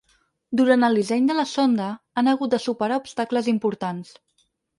Durant el disseny de la sonda han hagut de superar obstacles importants.